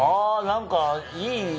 何かいい。